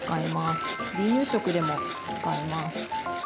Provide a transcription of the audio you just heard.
離乳食でも使えます。